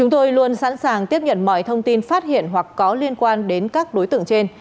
tạm tiết nhận mọi thông tin phát hiện hoặc có liên quan đến các đối tượng trên